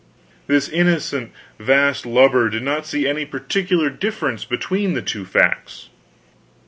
This innocent vast lubber did not see any particular difference between the two facts.